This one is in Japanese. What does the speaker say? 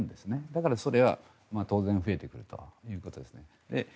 だから、それは当然増えてくるということですね。